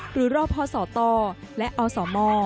หรือรอพศตและอสม